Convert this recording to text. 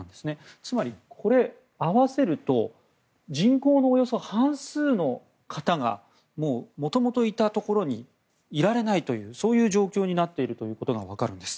つまり、合わせると人口のおよそ半数の方がもともといたところにいられないというそういう状況になっていることが分かるんです。